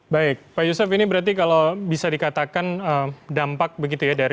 baik pak yusuf ini berarti kalau bisa dikatakan dampak begitu ya